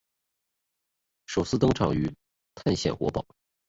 首次登场于探险活宝。